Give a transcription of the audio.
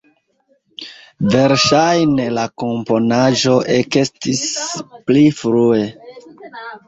Verŝajne la komponaĵo ekestis pli frue.